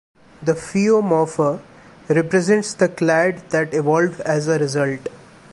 The Phiomorpha represents the clade that evolved as a result.